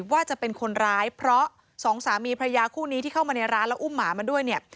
ว่าจะเป็นคนร้ายเพราะสองสามีพระยาคู่นี้ที่เข้ามาในร้านแล้วอุ้มหมามาด้วยเนี่ย